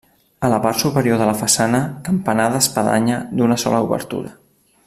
A la part superior de la façana, campanar d'espadanya d'una sola obertura.